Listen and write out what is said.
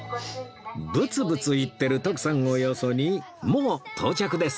ブツブツ言ってる徳さんをよそにもう到着です